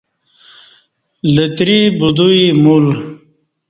لتری بدویی مول